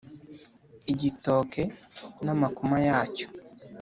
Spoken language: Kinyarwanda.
Igitoke n'amakoma yacyo.